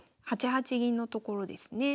８八銀のところですね。